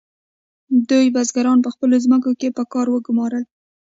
دوی بزګران په خپلو ځمکو کې په کار وګمارل.